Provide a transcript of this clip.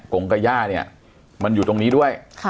กงกระย่าเนี่ยมันอยู่ตรงนี้ด้วย